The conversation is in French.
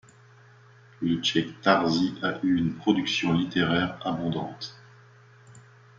Le cheikh Tarzi a eu une production littéraire abondante.